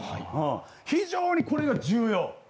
非常にこれが重要。